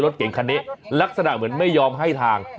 รถเก่งคันนี้ลักษณะเหมือนไม่ยอมให้ทาง